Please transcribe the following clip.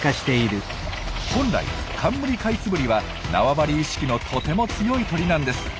本来カンムリカイツブリは縄張り意識のとても強い鳥なんです。